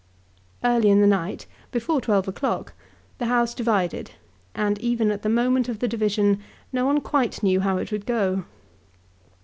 Early in the night, before twelve o'clock, the House divided, and even at the moment of the division no one quite knew how it would go.